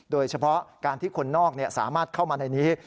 โดยเฉพาะการที่คนนอกสามารถเข้ามาในนี้